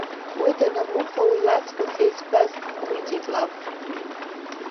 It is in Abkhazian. Уи данамыхәа, уи лаҵкыс еиҵбаз ддәықәиҵеит лаб.